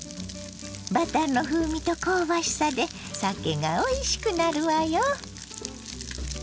バターの風味と香ばしさでさけがおいしくなるわよ！